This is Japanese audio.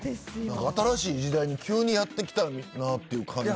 新しい時代に急にやってきたなっていう感じ。